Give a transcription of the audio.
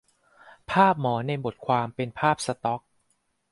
ภาพหมอในบทความเป็นภาพสต็อก